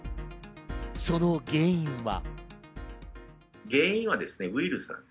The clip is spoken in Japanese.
その原因は。